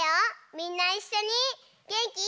みんないっしょにげんきいっぱい。